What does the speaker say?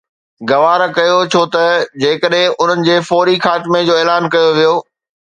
گوارا ڪيو ڇو ته جيڪڏهن انهن جي فوري خاتمي جو اعلان ڪيو ويو